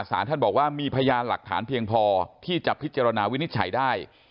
สารท่านบอกว่ามีพยานหลักฐานเพียงพอที่จะพิจารณาวินิจฉัยได้